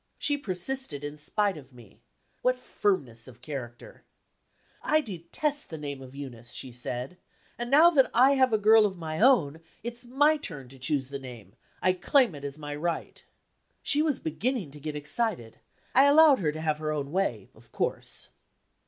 She persisted in spite of me. (What firmness of character!) 'I detest the name of Eunice!' she said; 'and now that I have a girl of my own, it's my turn to choose the name; I claim it as my right.' She was beginning to get excited; I allowed her to have her own way, of course.